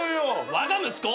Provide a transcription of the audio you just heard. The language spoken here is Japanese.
わが息子？